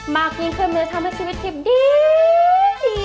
มากินเพิ่มเมืองทำให้ชีวิตดีค่ะ